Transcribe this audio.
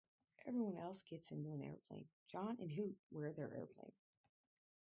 Everyone else gets into an airplane; John and Hoot wear their airplane.